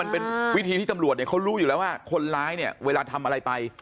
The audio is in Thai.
มันเป็นวิธีที่ตำรวจเนี่ยเขารู้อยู่แล้วว่าคนร้ายเนี่ยเวลาทำอะไรไป